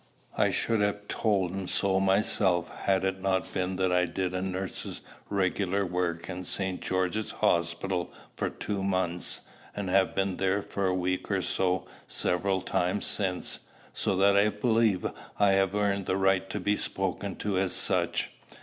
"I should have told him so myself, had it not been that I did a nurse's regular work in St. George's Hospital for two months, and have been there for a week or so, several times since, so that I believe I have earned the right to be spoken to as such.